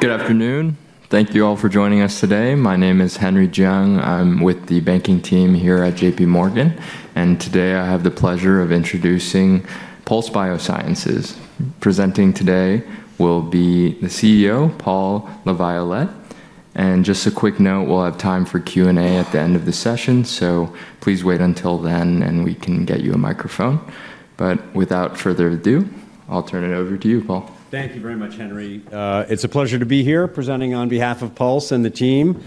Good afternoon. Thank you all for joining us today. My name is Henry Jiang. I'm with the banking team here at JPMorgan, and today I have the pleasure of introducing Pulse Biosciences. Presenting today will be the CEO, Paul LaViolette. And just a quick note, we'll have time for Q&A at the end of the session, so please wait until then and we can get you a microphone. But without further ado, I'll turn it over to you, Paul. Thank you very much, Henry. It's a pleasure to be here presenting on behalf of Pulse and the team,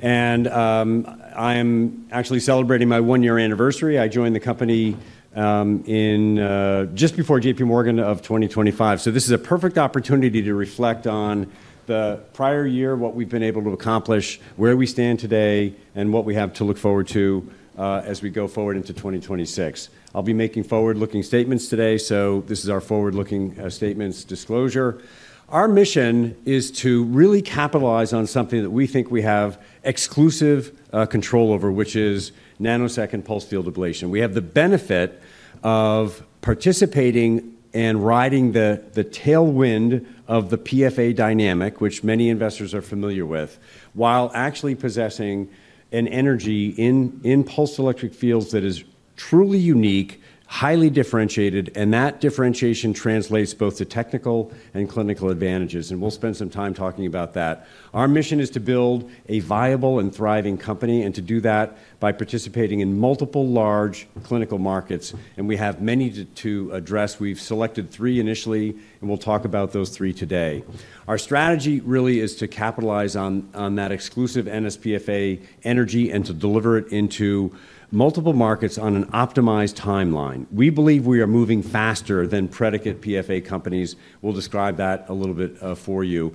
and I am actually celebrating my one-year anniversary. I joined the company just before JPMorgan of 2025, so this is a perfect opportunity to reflect on the prior year, what we've been able to accomplish, where we stand today, and what we have to look forward to as we go forward into 2026. I'll be making forward-looking statements today, so this is our forward-looking statements disclosure. Our mission is to really capitalize on something that we think we have exclusive control over, which is nanosecond pulsed field ablation. We have the benefit of participating and riding the tailwind of the PFA dynamic, which many investors are familiar with, while actually possessing an energy in pulsed electric fields that is truly unique, highly differentiated, and that differentiation translates both to technical and clinical advantages. And we'll spend some time talking about that. Our mission is to build a viable and thriving company and to do that by participating in multiple large clinical markets. And we have many to address. We've selected three initially, and we'll talk about those three today. Our strategy really is to capitalize on that exclusive nsPFA energy and to deliver it into multiple markets on an optimized timeline. We believe we are moving faster than predicate PFA companies. We'll describe that a little bit for you.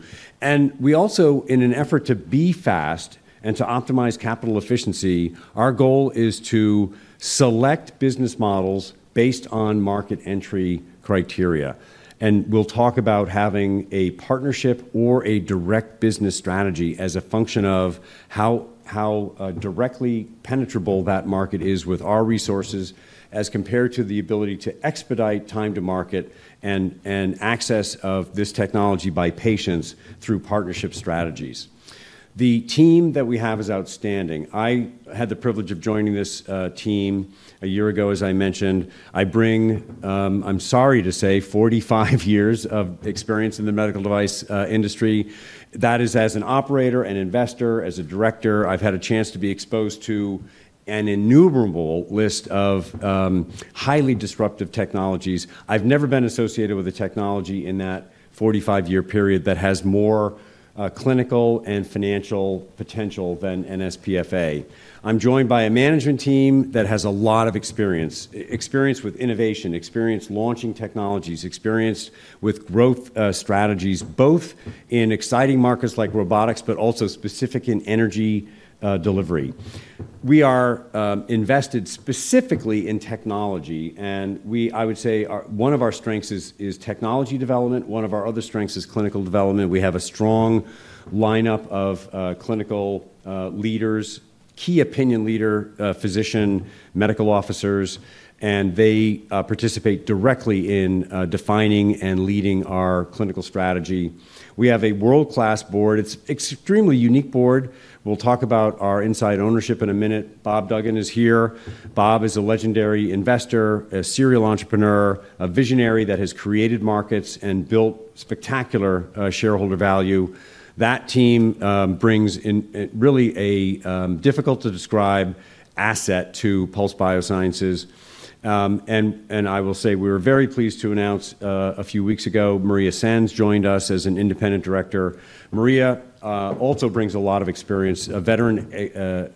We also, in an effort to be fast and to optimize capital efficiency, our goal is to select business models based on market entry criteria. We'll talk about having a partnership or a direct business strategy as a function of how directly penetrable that market is with our resources as compared to the ability to expedite time to market and access of this technology by patients through partnership strategies. The team that we have is outstanding. I had the privilege of joining this team a year ago, as I mentioned. I bring, I'm sorry to say, 45 years of experience in the medical device industry. That is, as an operator, an investor, as a director, I've had a chance to be exposed to an innumerable list of highly disruptive technologies. I've never been associated with a technology in that 45-year period that has more clinical and financial potential than nsPFA. I'm joined by a management team that has a lot of experience, experience with innovation, experience launching technologies, experience with growth strategies, both in exciting markets like robotics, but also specific in energy delivery. We are invested specifically in technology, and I would say one of our strengths is technology development. One of our other strengths is clinical development. We have a strong lineup of clinical leaders, key opinion leaders, physicians, medical officers, and they participate directly in defining and leading our clinical strategy. We have a world-class board. It's an extremely unique board. We'll talk about our inside ownership in a minute. Bob Duggan is here. Bob is a legendary investor, a serial entrepreneur, a visionary that has created markets and built spectacular shareholder value. That team brings in really a difficult-to-describe asset to Pulse Biosciences. And I will say we were very pleased to announce a few weeks ago, Maria Sainz joined us as an independent director. Maria also brings a lot of experience, a veteran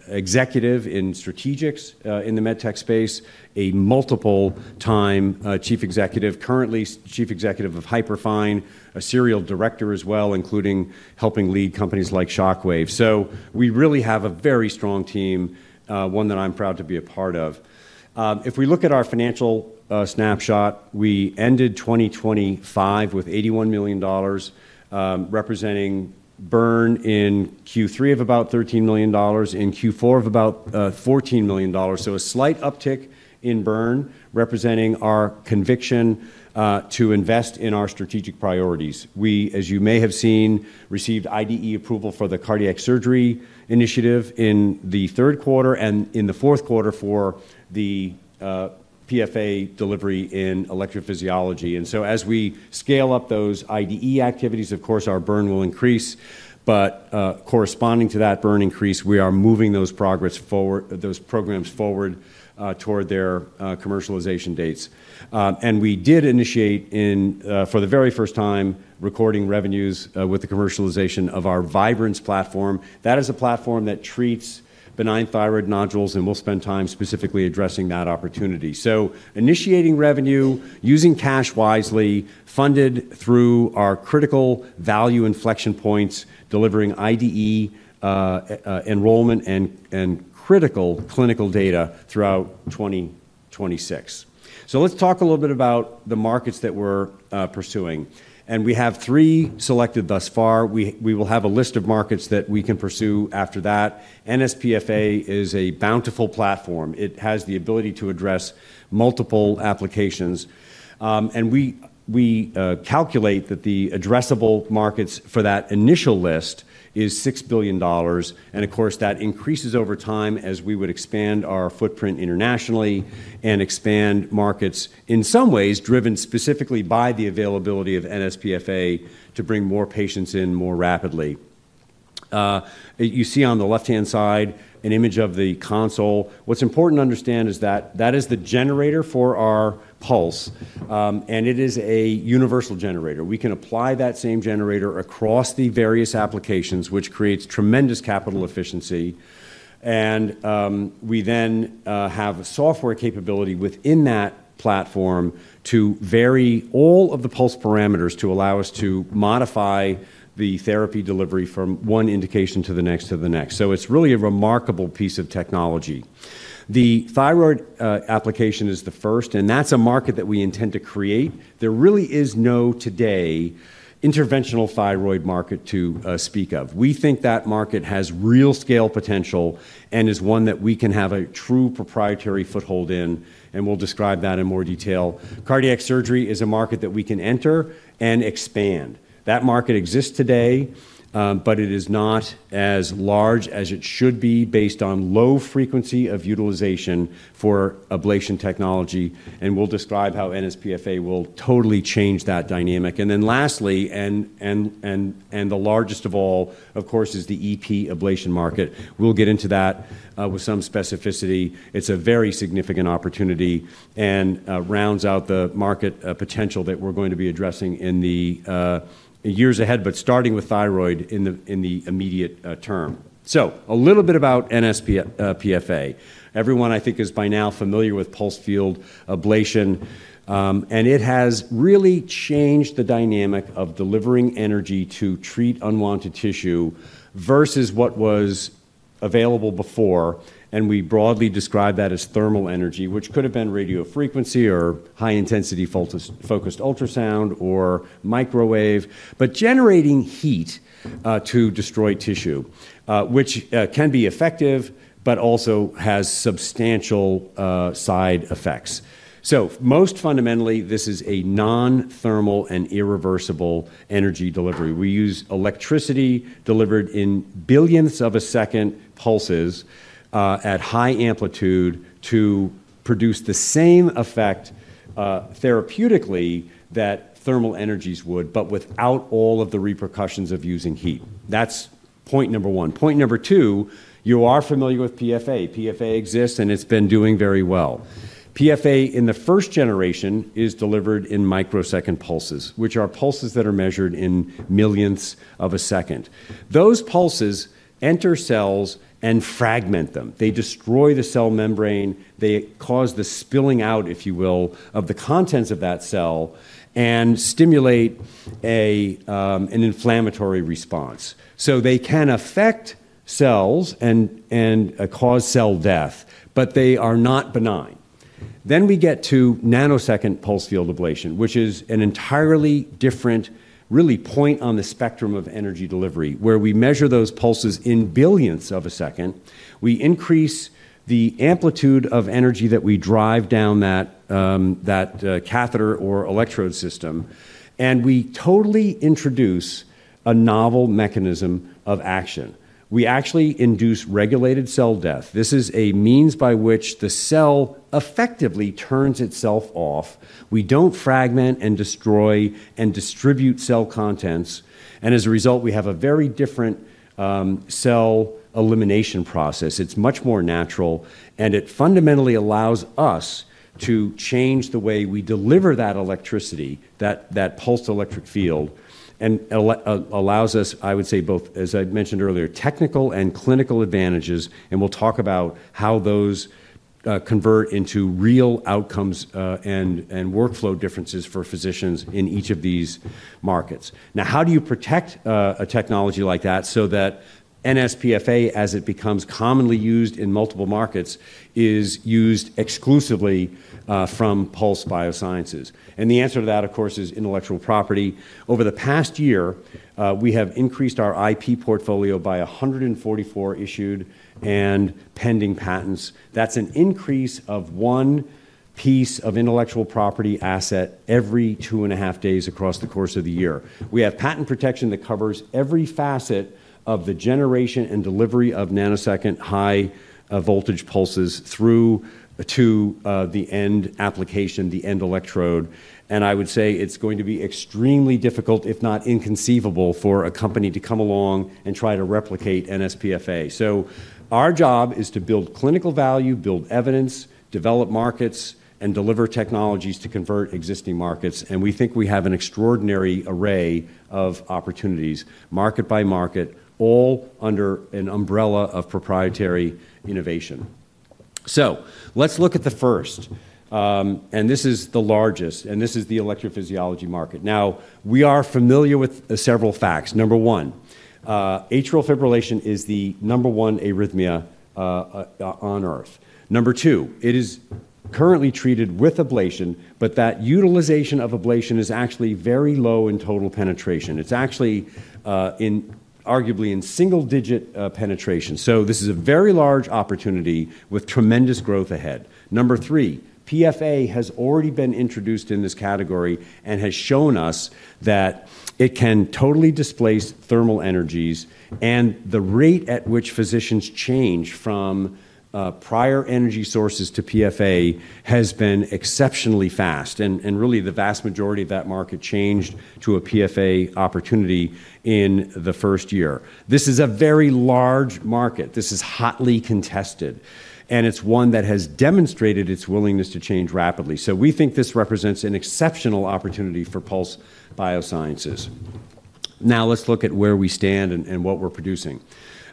executive in strategics in the med tech space, a multiple-time chief executive, currently chief executive of Hyperfine, a serial director as well, including helping lead companies like Shockwave. So we really have a very strong team, one that I'm proud to be a part of. If we look at our financial snapshot, we ended 2025 with $81 million, representing burn in Q3 of about $13 million, in Q4 of about $14 million. So a slight uptick in burn representing our conviction to invest in our strategic priorities. We, as you may have seen, received IDE approval for the cardiac surgery initiative in the third quarter and in the fourth quarter for the PFA delivery in electrophysiology. And so as we scale up those IDE activities, of course, our burn will increase. But corresponding to that burn increase, we are moving those programs forward toward their commercialization dates. And we did initiate, for the very first time, recording revenues with the commercialization of our Vybrance platform. That is a platform that treats benign thyroid nodules, and we'll spend time specifically addressing that opportunity. So initiating revenue, using cash wisely, funded through our critical value inflection points, delivering IDE enrollment and critical clinical data throughout 2026. So let's talk a little bit about the markets that we're pursuing. And we have three selected thus far. We will have a list of markets that we can pursue after that. nsPFA is a bountiful platform. It has the ability to address multiple applications. And we calculate that the addressable markets for that initial list is $6 billion. And of course, that increases over time as we would expand our footprint internationally and expand markets in some ways driven specifically by the availability of nsPFA to bring more patients in more rapidly. You see on the left-hand side an image of the console. What's important to understand is that that is the generator for our pulse, and it is a universal generator. We can apply that same generator across the various applications, which creates tremendous capital efficiency. And we then have software capability within that platform to vary all of the pulse parameters to allow us to modify the therapy delivery from one indication to the next to the next. So it's really a remarkable piece of technology. The thyroid application is the first, and that's a market that we intend to create. There really is no interventional thyroid market today to speak of. We think that market has real scale potential and is one that we can have a true proprietary foothold in, and we'll describe that in more detail. Cardiac surgery is a market that we can enter and expand. That market exists today, but it is not as large as it should be based on low frequency of utilization for ablation technology, and we'll describe how nsPFA will totally change that dynamic and then lastly, and the largest of all, of course, is the EP ablation market. We'll get into that with some specificity. It's a very significant opportunity and rounds out the market potential that we're going to be addressing in the years ahead, but starting with thyroid in the immediate term. A little bit about nsPFA. Everyone, I think, is by now familiar with pulsed field ablation, and it has really changed the dynamic of delivering energy to treat unwanted tissue versus what was available before. We broadly describe that as thermal energy, which could have been radio frequency or high-intensity focused ultrasound or microwave, but generating heat to destroy tissue, which can be effective, but also has substantial side effects. Most fundamentally, this is a non-thermal and irreversible energy delivery. We use electricity delivered in billionths of a second pulses at high amplitude to produce the same effect therapeutically that thermal energies would, but without all of the repercussions of using heat. That's point number one. Point number two, you are familiar with PFA. PFA exists, and it's been doing very well. PFA in the first generation is delivered in microsecond pulses, which are pulses that are measured in millionths of a second. Those pulses enter cells and fragment them. They destroy the cell membrane. They cause the spilling out, if you will, of the contents of that cell and stimulate an inflammatory response. So they can affect cells and cause cell death, but they are not benign. Then we get to nanosecond pulsed field ablation, which is an entirely different really point on the spectrum of energy delivery where we measure those pulses in billionths of a second. We increase the amplitude of energy that we drive down that catheter or electrode system, and we totally introduce a novel mechanism of action. We actually induce regulated cell death. This is a means by which the cell effectively turns itself off. We don't fragment and destroy and distribute cell contents. And as a result, we have a very different cell elimination process. It's much more natural, and it fundamentally allows us to change the way we deliver that electricity, that pulsed electric field, and allows us, I would say, both, as I mentioned earlier, technical and clinical advantages. And we'll talk about how those convert into real outcomes and workflow differences for physicians in each of these markets. Now, how do you protect a technology like that so that nsPFA, as it becomes commonly used in multiple markets, is used exclusively from Pulse Biosciences? And the answer to that, of course, is intellectual property. Over the past year, we have increased our IP portfolio by 144 issued and pending patents. That's an increase of one piece of intellectual property asset every two and a half days across the course of the year. We have patent protection that covers every facet of the generation and delivery of nanosecond high voltage pulses through to the end application, the end electrode, and I would say it's going to be extremely difficult, if not inconceivable, for a company to come along and try to replicate nsPFA. So our job is to build clinical value, build evidence, develop markets, and deliver technologies to convert existing markets, and we think we have an extraordinary array of opportunities, market by market, all under an umbrella of proprietary innovation, so let's look at the first, and this is the largest, and this is the electrophysiology market. Now, we are familiar with several facts. Number one, atrial fibrillation is the number one arrhythmia on earth. Number two, it is currently treated with ablation, but that utilization of ablation is actually very low in total penetration. It's actually arguably in single-digit penetration. So this is a very large opportunity with tremendous growth ahead. Number three, PFA has already been introduced in this category and has shown us that it can totally displace thermal energies, and the rate at which physicians change from prior energy sources to PFA has been exceptionally fast, and really, the vast majority of that market changed to a PFA opportunity in the first year. This is a very large market. This is hotly contested, and it's one that has demonstrated its willingness to change rapidly, so we think this represents an exceptional opportunity for Pulse Biosciences. Now, let's look at where we stand and what we're producing.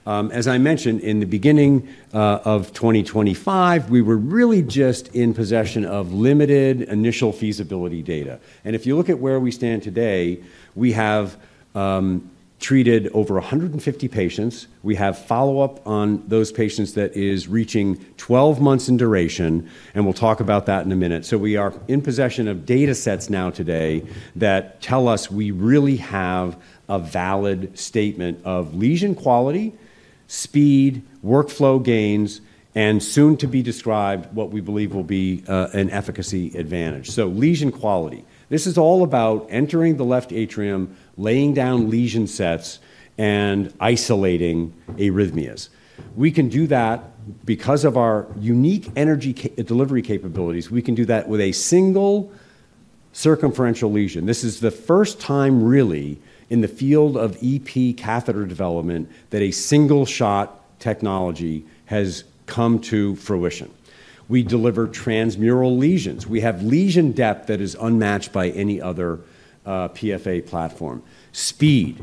As I mentioned in the beginning of 2025, we were really just in possession of limited initial feasibility data, and if you look at where we stand today, we have treated over 150 patients. We have follow-up on those patients that is reaching 12 months in duration, and we'll talk about that in a minute. So we are in possession of data sets now today that tell us we really have a valid statement of lesion quality, speed, workflow gains, and soon to be described what we believe will be an efficacy advantage. So lesion quality, this is all about entering the left atrium, laying down lesion sets, and isolating arrhythmias. We can do that because of our unique energy delivery capabilities. We can do that with a single circumferential lesion. This is the first time really in the field of EP catheter development that a single shot technology has come to fruition. We deliver transmural lesions. We have lesion depth that is unmatched by any other PFA platform. Speed.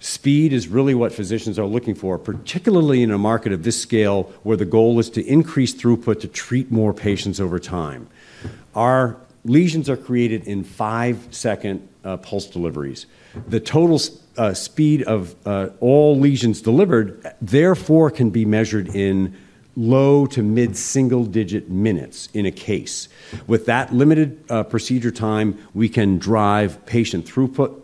Speed is really what physicians are looking for, particularly in a market of this scale where the goal is to increase throughput to treat more patients over time. Our lesions are created in five-second pulse deliveries. The total speed of all lesions delivered, therefore, can be measured in low to mid-single-digit minutes in a case. With that limited procedure time, we can drive patient throughput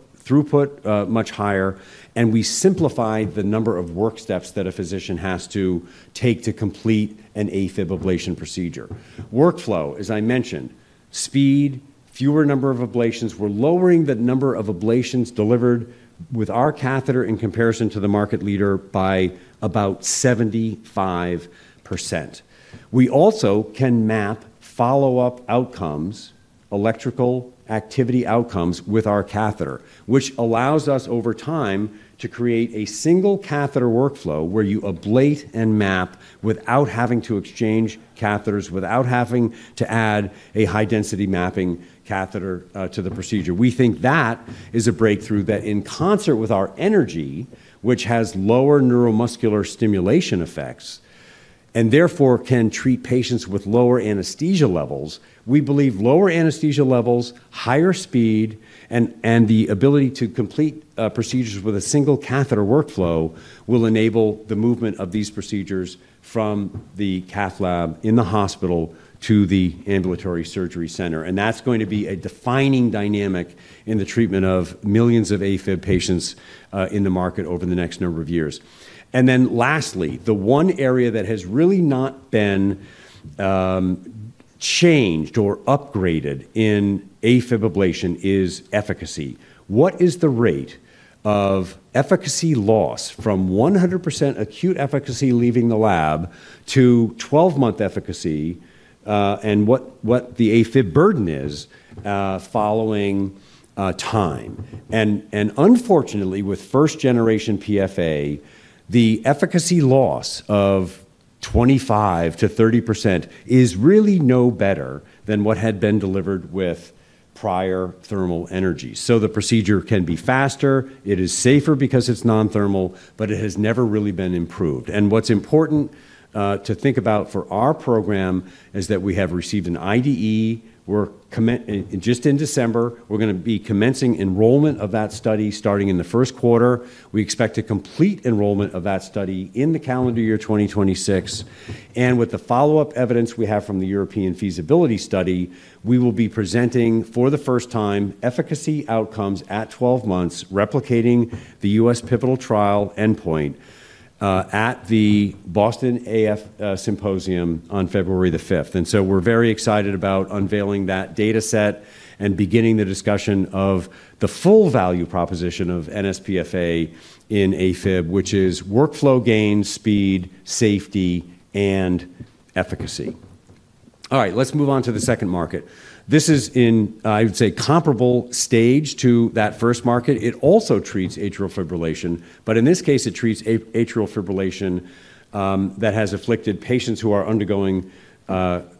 much higher, and we simplify the number of work steps that a physician has to take to complete an AFib ablation procedure. Workflow, as I mentioned, speed, fewer number of ablations. We're lowering the number of ablations delivered with our catheter in comparison to the market leader by about 75%. We also can map follow-up outcomes, electrical activity outcomes with our catheter, which allows us over time to create a single catheter workflow where you ablate and map without having to exchange catheters, without having to add a high-density mapping catheter to the procedure. We think that is a breakthrough that in concert with our energy, which has lower neuromuscular stimulation effects and therefore can treat patients with lower anesthesia levels, we believe lower anesthesia levels, higher speed, and the ability to complete procedures with a single catheter workflow will enable the movement of these procedures from the cath lab in the hospital to the ambulatory surgery center, and that's going to be a defining dynamic in the treatment of millions of AFib patients in the market over the next number of years. And then lastly, the one area that has really not been changed or upgraded in AFib ablation is efficacy. What is the rate of efficacy loss from 100% acute efficacy leaving the lab to 12-month efficacy and what the AFib burden is following time? And unfortunately, with first-generation PFA, the efficacy loss of 25%-30% is really no better than what had been delivered with prior thermal energy. So the procedure can be faster. It is safer because it's non-thermal, but it has never really been improved. And what's important to think about for our program is that we have received an IDE. Just in December, we're going to be commencing enrollment of that study starting in the first quarter. We expect to complete enrollment of that study in the calendar year 2026. With the follow-up evidence we have from the European feasibility study, we will be presenting for the first time efficacy outcomes at 12 months, replicating the U.S. pivotal trial endpoint at the Boston AF Symposium on February the 5th. We're very excited about unveiling that data set and beginning the discussion of the full value proposition of nsPFA in AFib, which is workflow gains, speed, safety, and efficacy. All right, let's move on to the second market. This is in, I would say, comparable stage to that first market. It also treats atrial fibrillation, but in this case, it treats atrial fibrillation that has afflicted patients who are undergoing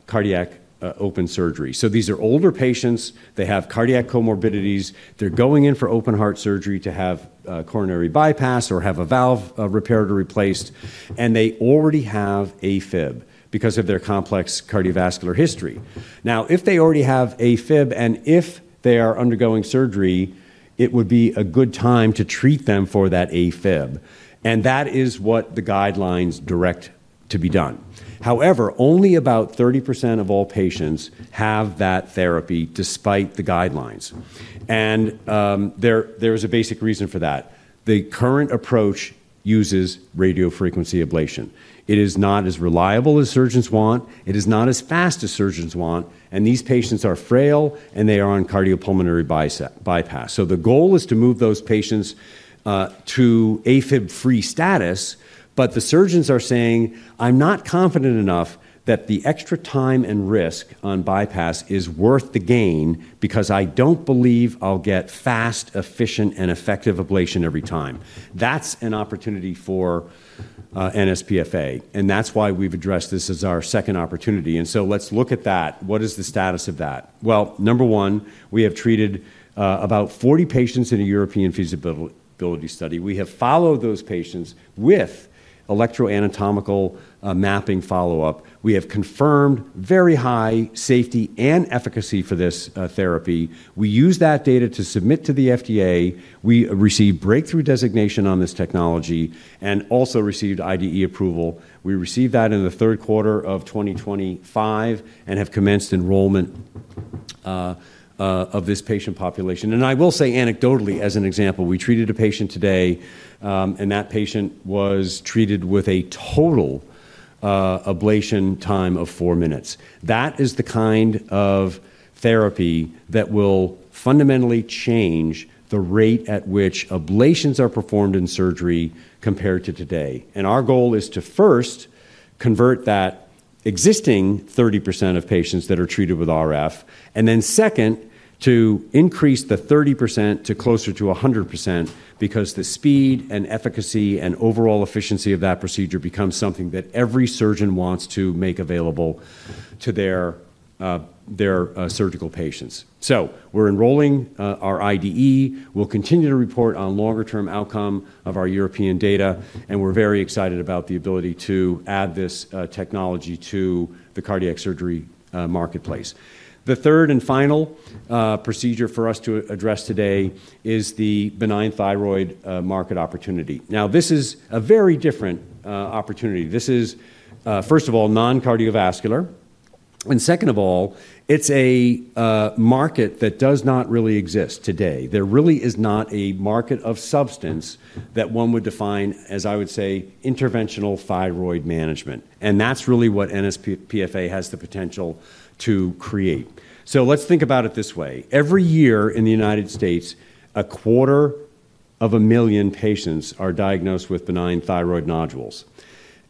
cardiac open surgery. So these are older patients. They have cardiac comorbidities. They're going in for open heart surgery to have coronary bypass or have a valve repaired or replaced, and they already have AFib because of their complex cardiovascular history. Now, if they already have AFib and if they are undergoing surgery, it would be a good time to treat them for that AFib, and that is what the guidelines direct to be done. However, only about 30% of all patients have that therapy despite the guidelines, and there is a basic reason for that. The current approach uses radio frequency ablation. It is not as reliable as surgeons want. It is not as fast as surgeons want, and these patients are frail, and they are on cardiopulmonary bypass. So the goal is to move those patients to AFib-free status, but the surgeons are saying, "I'm not confident enough that the extra time and risk on bypass is worth the gain because I don't believe I'll get fast, efficient, and effective ablation every time." That's an opportunity for nsPFA, and that's why we've addressed this as our second opportunity. And so let's look at that. What is the status of that? Well, number one, we have treated about 40 patients in a European feasibility study. We have followed those patients with electroanatomical mapping follow-up. We have confirmed very high safety and efficacy for this therapy. We use that data to submit to the FDA. We received breakthrough designation on this technology and also received IDE approval. We received that in the third quarter of 2025 and have commenced enrollment of this patient population. I will say anecdotally, as an example, we treated a patient today, and that patient was treated with a total ablation time of four minutes. That is the kind of therapy that will fundamentally change the rate at which ablations are performed in surgery compared to today. Our goal is to first convert that existing 30% of patients that are treated with RF, and then second, to increase the 30% to closer to 100% because the speed and efficacy and overall efficiency of that procedure becomes something that every surgeon wants to make available to their surgical patients. We're enrolling our IDE. We'll continue to report on longer-term outcome of our European data, and we're very excited about the ability to add this technology to the cardiac surgery marketplace. The third and final procedure for us to address today is the benign thyroid market opportunity. Now, this is a very different opportunity. This is, first of all, non-cardiovascular, and second of all, it's a market that does not really exist today. There really is not a market of substance that one would define as I would say, interventional thyroid management. And that's really what nsPFA has the potential to create. So let's think about it this way. Every year in the United States, 250,000 patients are diagnosed with benign thyroid nodules,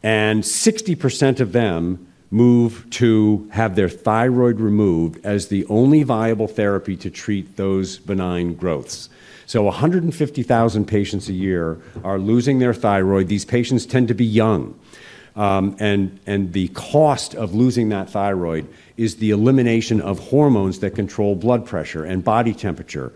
and 60% of them move to have their thyroid removed as the only viable therapy to treat those benign growths. So 150,000 patients a year are losing their thyroid. These patients tend to be young, and the cost of losing that thyroid is the elimination of hormones that control blood pressure and body temperature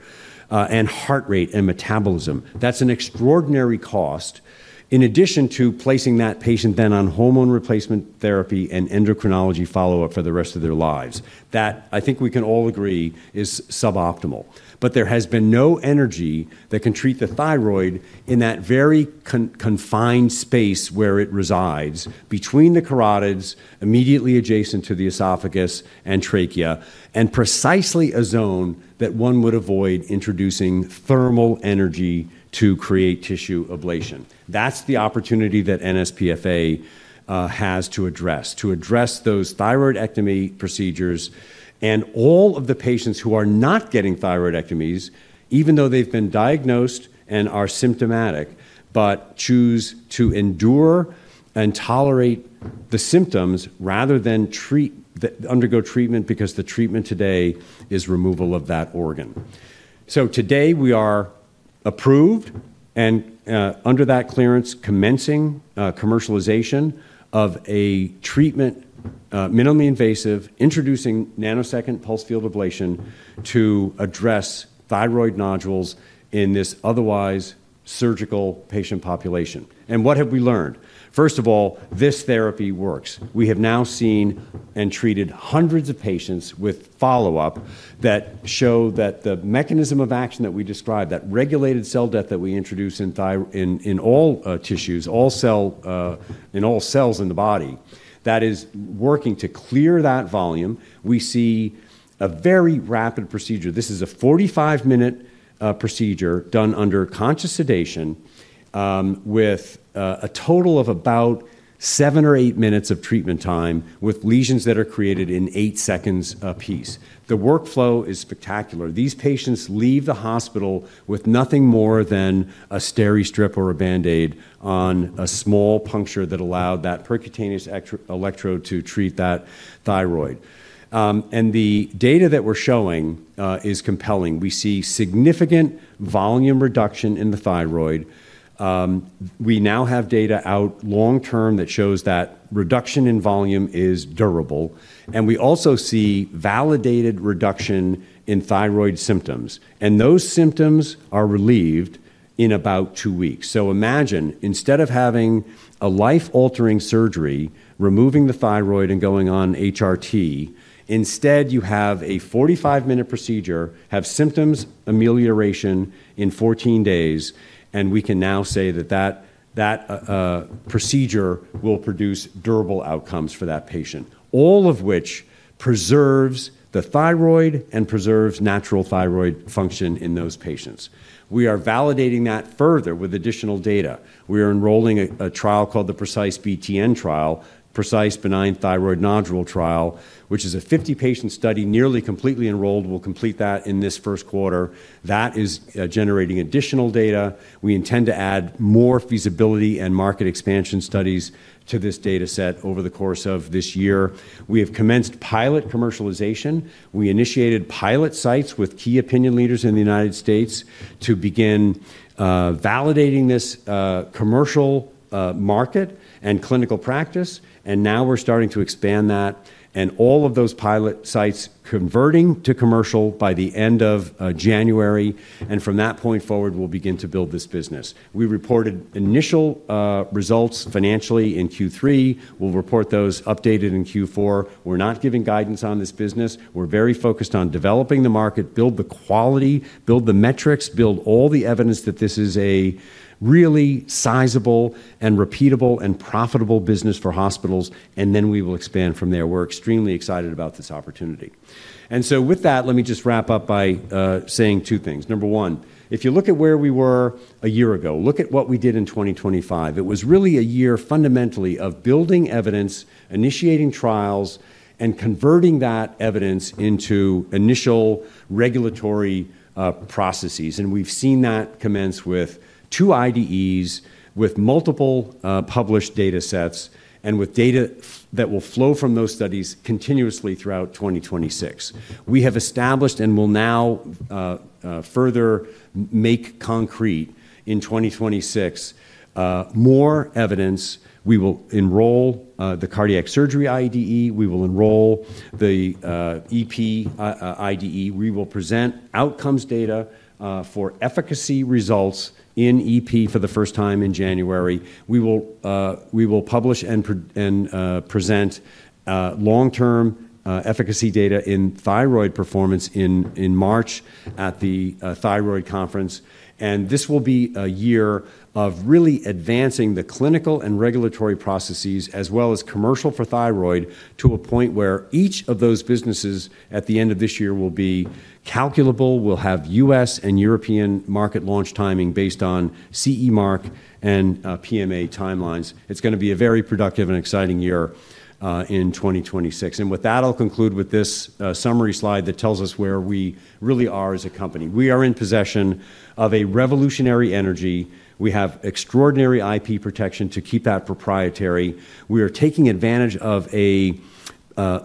and heart rate and metabolism. That's an extraordinary cost in addition to placing that patient then on hormone replacement therapy and endocrinology follow-up for the rest of their lives. That, I think we can all agree, is suboptimal, but there has been no energy that can treat the thyroid in that very confined space where it resides between the carotids immediately adjacent to the esophagus and trachea, and precisely a zone that one would avoid introducing thermal energy to create tissue ablation. That's the opportunity that nsPFA has to address, to address those thyroidectomy procedures and all of the patients who are not getting thyroidectomies, even though they've been diagnosed and are symptomatic, but choose to endure and tolerate the symptoms rather than undergo treatment because the treatment today is removal of that organ. So today we are approved and under that clearance, commencing commercialization of a treatment, minimally invasive, introducing nanosecond pulsed field ablation to address thyroid nodules in this otherwise surgical patient population. And what have we learned? First of all, this therapy works. We have now seen and treated hundreds of patients with follow-up that show that the mechanism of action that we described, that regulated cell death that we introduce in all tissues, in all cells in the body, that is working to clear that volume. We see a very rapid procedure. This is a 45-minute procedure done under conscious sedation with a total of about seven or eight minutes of treatment time with lesions that are created in eight seconds apiece. The workflow is spectacular. These patients leave the hospital with nothing more than a Steri-Strip or a Band-Aid on a small puncture that allowed that percutaneous electrode to treat that thyroid. And the data that we're showing is compelling. We see significant volume reduction in the thyroid. We now have data out long-term that shows that reduction in volume is durable, and we also see validated reduction in thyroid symptoms. And those symptoms are relieved in about two weeks. So imagine, instead of having a life-altering surgery, removing the thyroid and going on HRT, instead you have a 45-minute procedure, have symptoms amelioration in 14 days, and we can now say that that procedure will produce durable outcomes for that patient, all of which preserves the thyroid and preserves natural thyroid function in those patients. We are validating that further with additional data. We are enrolling a trial called the PRECISE-BTN trial, PRECISE benign thyroid nodule trial, which is a 50-patient study, nearly completely enrolled. We'll complete that in this first quarter. That is generating additional data. We intend to add more feasibility and market expansion studies to this data set over the course of this year. We have commenced pilot commercialization. We initiated pilot sites with key opinion leaders in the United States to begin validating this commercial market and clinical practice, and now we're starting to expand that, and all of those pilot sites converting to commercial by the end of January, and from that point forward, we'll begin to build this business. We reported initial results financially in Q3. We'll report those updated in Q4. We're not giving guidance on this business. We're very focused on developing the market, build the quality, build the metrics, build all the evidence that this is a really sizable and repeatable and profitable business for hospitals, and then we will expand from there. We're extremely excited about this opportunity. And so with that, let me just wrap up by saying two things. Number one, if you look at where we were a year ago, look at what we did in 2025. It was really a year fundamentally of building evidence, initiating trials, and converting that evidence into initial regulatory processes. And we've seen that commence with two IDEs, with multiple published data sets, and with data that will flow from those studies continuously throughout 2026. We have established and will now further make concrete in 2026 more evidence. We will enroll the cardiac surgery IDE. We will enroll the EP IDE. We will present outcomes data for efficacy results in EP for the first time in January. We will publish and present long-term efficacy data in thyroid performance in March at the Thyroid Conference. And this will be a year of really advancing the clinical and regulatory processes as well as commercial for thyroid to a point where each of those businesses at the end of this year will be calculable. We'll have U.S. and European market launch timing based on CE mark and PMA timelines. It's going to be a very productive and exciting year in 2026. And with that, I'll conclude with this summary slide that tells us where we really are as a company. We are in possession of a revolutionary energy. We have extraordinary IP protection to keep that proprietary. We are taking advantage of a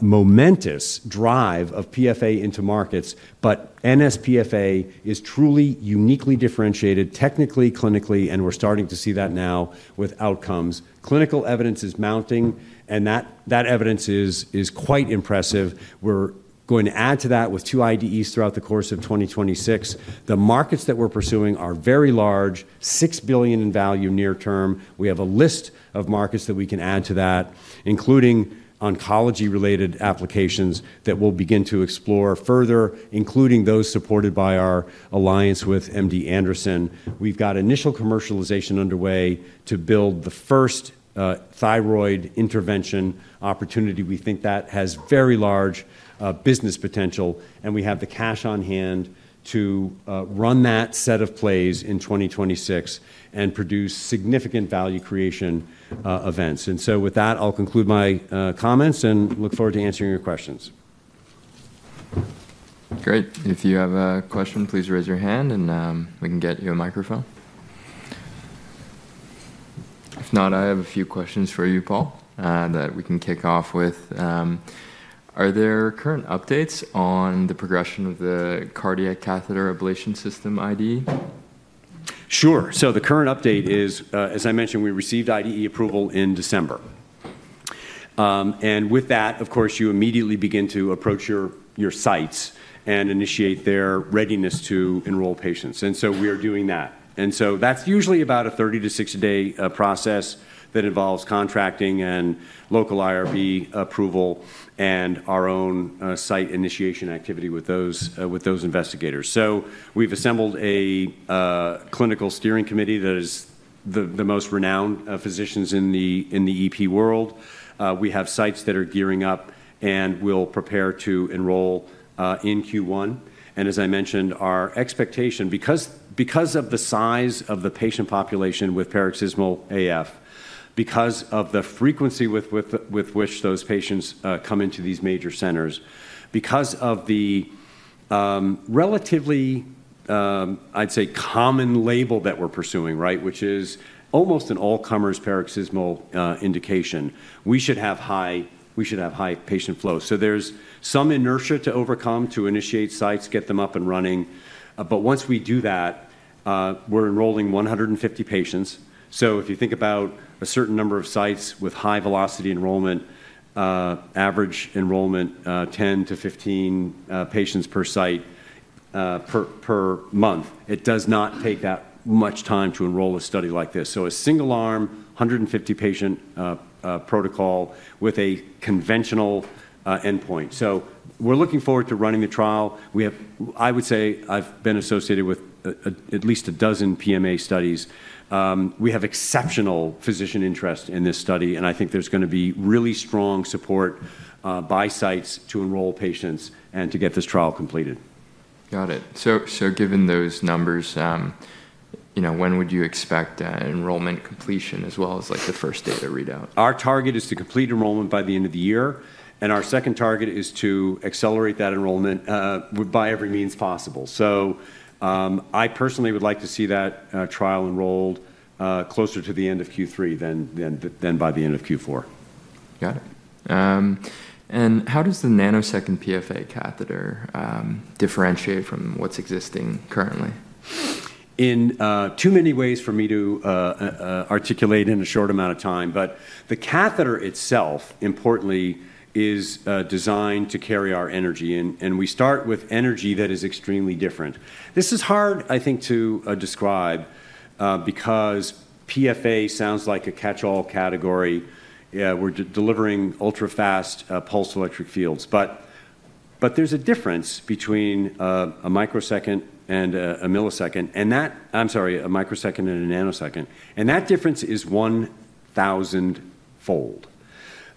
momentous drive of PFA into markets, but nsPFA is truly uniquely differentiated technically, clinically, and we're starting to see that now with outcomes. Clinical evidence is mounting, and that evidence is quite impressive. We're going to add to that with two IDEs throughout the course of 2026. The markets that we're pursuing are very large, $6 billion in value near term. We have a list of markets that we can add to that, including oncology-related applications that we'll begin to explore further, including those supported by our alliance with MD Anderson. We've got initial commercialization underway to build the first thyroid intervention opportunity. We think that has very large business potential, and we have the cash on hand to run that set of plays in 2026 and produce significant value creation events. With that, I'll conclude my comments and look forward to answering your questions. Great. If you have a question, please raise your hand, and we can get you a microphone. If not, I have a few questions for you, Paul, that we can kick off with. Are there current updates on the progression of the cardiac catheter ablation system IDE? Sure. So the current update is, as I mentioned, we received IDE approval in December. And with that, of course, you immediately begin to approach your sites and initiate their readiness to enroll patients. And so we are doing that. And so that's usually about a 30-60-day process that involves contracting and local IRB approval and our own site initiation activity with those investigators. So we've assembled a clinical steering committee that is the most renowned physicians in the EP world. We have sites that are gearing up and will prepare to enroll in Q1. As I mentioned, our expectation, because of the size of the patient population with paroxysmal AF, because of the frequency with which those patients come into these major centers, because of the relatively, I'd say, common label that we're pursuing, right, which is almost an all-comers paroxysmal indication, we should have high patient flow. There's some inertia to overcome to initiate sites, get them up and running. Once we do that, we're enrolling 150 patients. If you think about a certain number of sites with high velocity enrollment, average enrollment, 10-15 patients per site per month, it does not take that much time to enroll a study like this. A single arm, 150-patient protocol with a conventional endpoint. We're looking forward to running the trial. I would say I've been associated with at least a dozen PMA studies. We have exceptional physician interest in this study, and I think there's going to be really strong support by sites to enroll patients and to get this trial completed. Got it. So given those numbers, when would you expect enrollment completion as well as the first data readout? Our target is to complete enrollment by the end of the year, and our second target is to accelerate that enrollment by every means possible. So I personally would like to see that trial enrolled closer to the end of Q3 than by the end of Q4. Got it. And how does the nanosecond PFA catheter differentiate from what's existing currently? In too many ways for me to articulate in a short amount of time, but the catheter itself, importantly, is designed to carry our energy, and we start with energy that is extremely different. This is hard, I think, to describe because PFA sounds like a catch-all category. We're delivering ultra-fast pulsed electric fields, but there's a difference between a microsecond and a millisecond, and that, I'm sorry, a microsecond and a nanosecond. And that difference is 1,000-fold.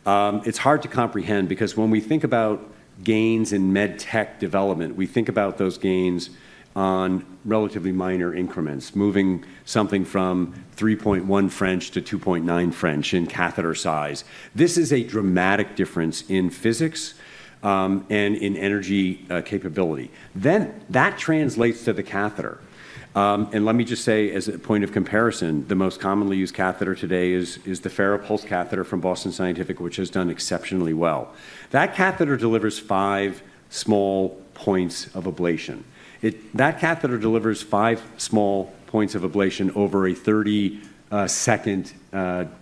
It's hard to comprehend because when we think about gains in med tech development, we think about those gains on relatively minor increments, moving something from 3.1 French to 2.9 French in catheter size. This is a dramatic difference in physics and in energy capability. Then that translates to the catheter. Let me just say, as a point of comparison, the most commonly used catheter today is the FARAPULSE catheter from Boston Scientific, which has done exceptionally well. That catheter delivers five small points of ablation. That catheter delivers five small points of ablation over a 30-second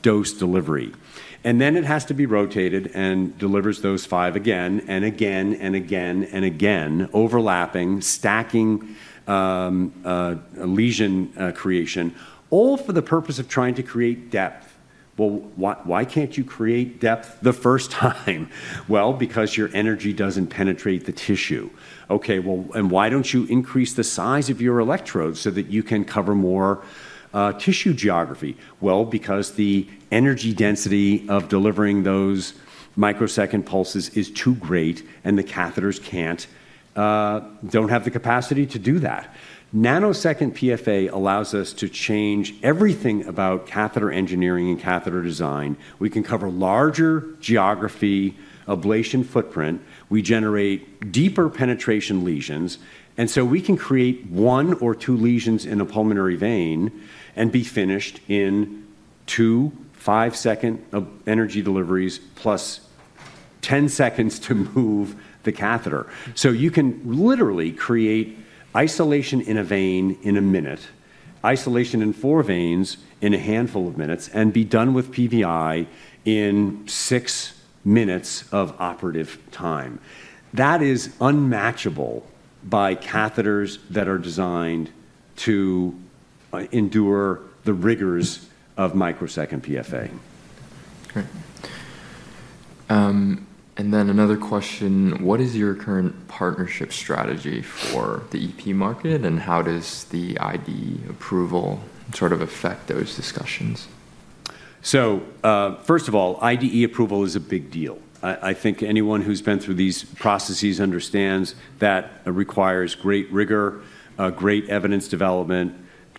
dose delivery. Then it has to be rotated and delivers those five again and again and again and again, overlapping, stacking lesion creation, all for the purpose of trying to create depth. Why can't you create depth the first time? Because your energy doesn't penetrate the tissue. Why don't you increase the size of your electrodes so that you can cover more tissue geography? Because the energy density of delivering those microsecond pulses is too great, and the catheters don't have the capacity to do that. Nanosecond PFA allows us to change everything about catheter engineering and catheter design. We can cover larger geographic ablation footprint. We generate deeper penetration lesions, and so we can create one or two lesions in a pulmonary vein and be finished in two five-second energy deliveries plus 10 seconds to move the catheter. So you can literally create isolation in a vein in a minute, isolation in four veins in a handful of minutes, and be done with PVI in six minutes of operative time. That is unmatchable by catheters that are designed to endure the rigors of microsecond PFA. Great. And then another question, what is your current partnership strategy for the EP market, and how does the IDE approval sort of affect those discussions? So first of all, IDE approval is a big deal. I think anyone who's been through these processes understands that requires great rigor, great evidence development,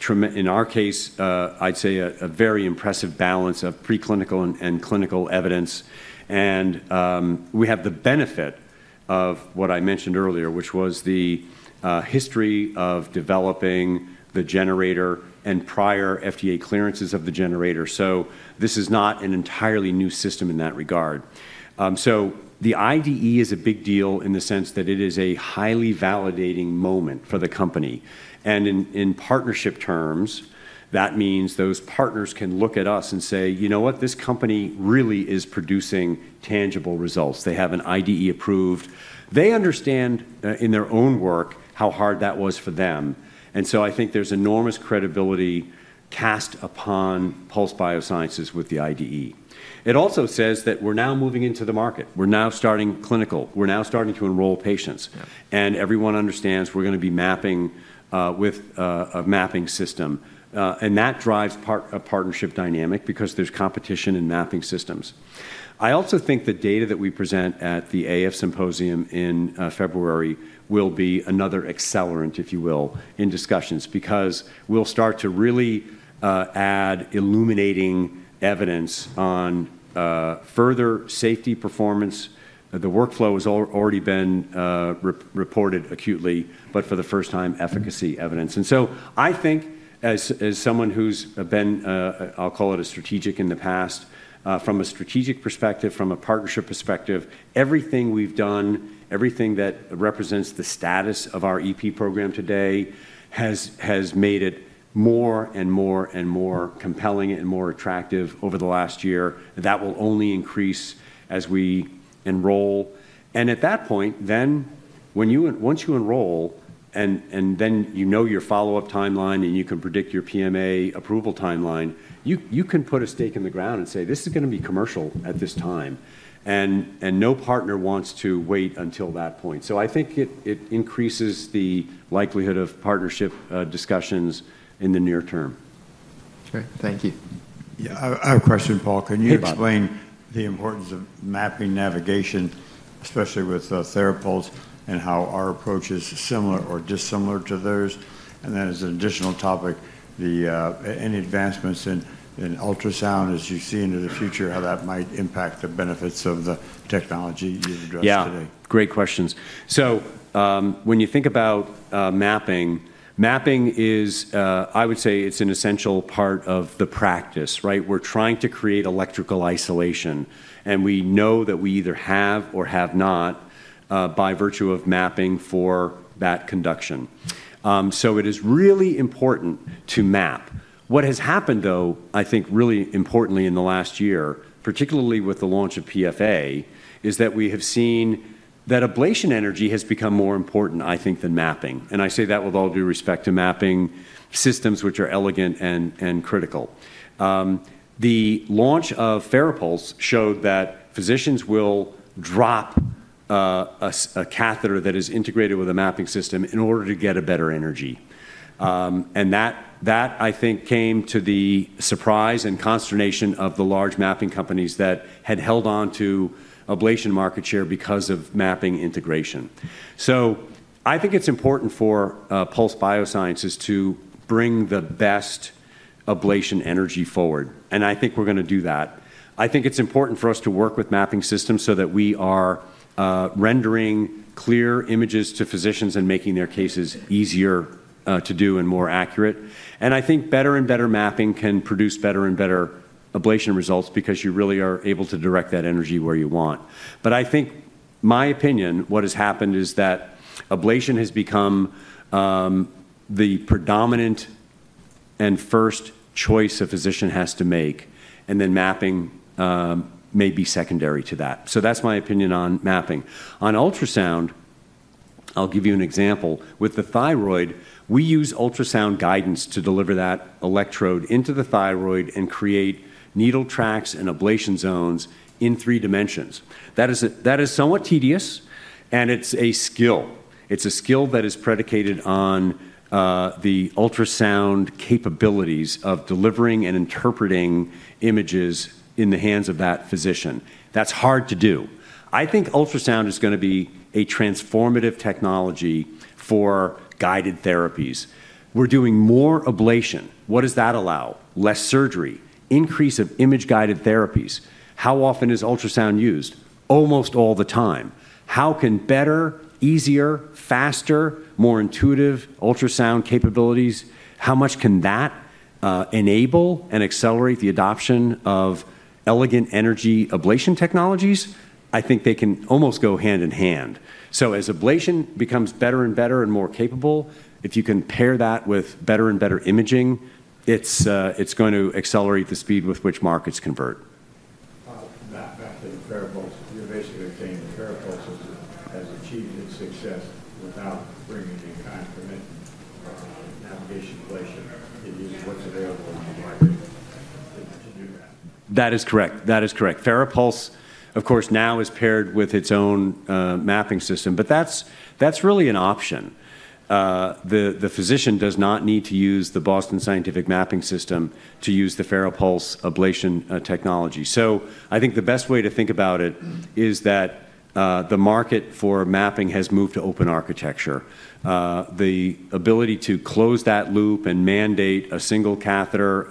in our case, I'd say a very impressive balance of preclinical and clinical evidence. And we have the benefit of what I mentioned earlier, which was the history of developing the generator and prior FDA clearances of the generator. So this is not an entirely new system in that regard. So the IDE is a big deal in the sense that it is a highly validating moment for the company. And in partnership terms, that means those partners can look at us and say, "You know what? This company really is producing tangible results. They have an IDE approved. They understand in their own work how hard that was for them," and so I think there's enormous credibility cast upon Pulse Biosciences with the IDE. It also says that we're now moving into the market. We're now starting clinical. We're now starting to enroll patients, and everyone understands we're going to be mapping with a mapping system, and that drives a partnership dynamic because there's competition in mapping systems. I also think the data that we present at the AF Symposium in February will be another accelerant, if you will, in discussions because we'll start to really add illuminating evidence on further safety performance. The workflow has already been reported acutely, but for the first time, efficacy evidence. And so I think as someone who's been, I'll call it, a strategic in the past, from a strategic perspective, from a partnership perspective, everything we've done, everything that represents the status of our EP program today has made it more and more and more compelling and more attractive over the last year. That will only increase as we enroll. And at that point, then once you enroll and then you know your follow-up timeline and you can predict your PMA approval timeline, you can put a stake in the ground and say, "This is going to be commercial at this time." And no partner wants to wait until that point. So I think it increases the likelihood of partnership discussions in the near term. Okay. Thank you. Yeah. I have a question, Paul. Can you explain the importance of mapping navigation, especially with FARAPULSE, and how our approach is similar or dissimilar to those? And then as an additional topic, any advancements in ultrasound, as you see into the future, how that might impact the benefits of the technology you've addressed today? Yeah. Great questions. So when you think about mapping, mapping is, I would say it's an essential part of the practice, right? We're trying to create electrical isolation, and we know that we either have or have not by virtue of mapping for that conduction. So it is really important to map. What has happened, though, I think really importantly in the last year, particularly with the launch of PFA, is that we have seen that ablation energy has become more important, I think, than mapping, and I say that with all due respect to mapping systems, which are elegant and critical. The launch of FARAPULSE showed that physicians will drop a catheter that is integrated with a mapping system in order to get a better energy. And that, I think, came to the surprise and consternation of the large mapping companies that had held on to ablation market share because of mapping integration. So I think it's important for Pulse Biosciences to bring the best ablation energy forward. And I think we're going to do that. I think it's important for us to work with mapping systems so that we are rendering clear images to physicians and making their cases easier to do and more accurate. And I think better and better mapping can produce better and better ablation results because you really are able to direct that energy where you want. But I think, in my opinion, what has happened is that ablation has become the predominant and first choice a physician has to make, and then mapping may be secondary to that. So that's my opinion on mapping. On ultrasound, I'll give you an example. With the thyroid, we use ultrasound guidance to deliver that electrode into the thyroid and create needle tracks and ablation zones in three dimensions. That is somewhat tedious, and it's a skill. It's a skill that is predicated on the ultrasound capabilities of delivering and interpreting images in the hands of that physician. That's hard to do. I think ultrasound is going to be a transformative technology for guided therapies. We're doing more ablation. What does that allow? Less surgery, increase of image-guided therapies. How often is ultrasound used? Almost all the time. How can better, easier, faster, more intuitive ultrasound capabilities, how much can that enable and accelerate the adoption of elegant energy ablation technologies? I think they can almost go hand in hand. So as ablation becomes better and better and more capable, if you can pair that with better and better imaging, it's going to accelerate the speed with which markets convert. Back to the FARAPULSE, you're basically saying the FARAPULSE has achieved its success without bringing a commitment for navigation ablation? It is what's available in the market to do that. That is correct. That is correct. FARAPULSE, of course, now is paired with its own mapping system, but that's really an option. The physician does not need to use the Boston Scientific mapping system to use the FARAPULSE ablation technology. So I think the best way to think about it is that the market for mapping has moved to open architecture. The ability to close that loop and mandate a single catheter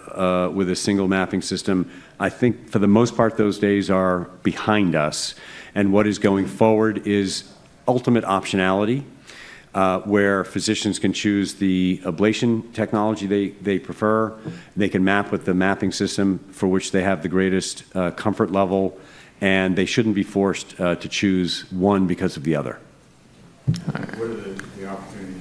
with a single mapping system, I think for the most part those days are behind us. And what is going forward is ultimate optionality where physicians can choose the ablation technology they prefer. They can map with the mapping system for which they have the greatest comfort level, and they shouldn't be forced to choose one because of the other. What are the opportunities to reduce or eliminate fluoroscopy and/or anesthesia?